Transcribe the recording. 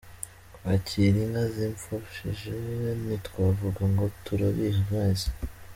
Kwakira inka zipfushije ntitwavuga ngo turabiha amezi.